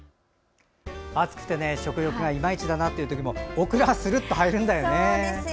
暑くて食欲がいまいちだなという時もオクラはするっと入るんだよね。